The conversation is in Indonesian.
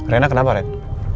rena kenapa ren